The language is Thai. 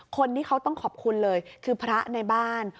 คนที่เขาต้องขอบคุณเลยคือพระในบ้าน